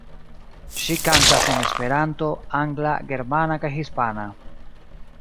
Ŝi kantas en esperanto, angla, germana kaj hispana.